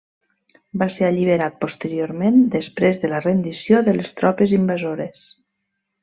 Va ser alliberat posteriorment després de la rendició de les tropes invasores.